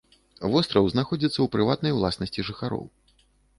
Востраў знаходзіцца ў прыватнай уласнасці жыхароў.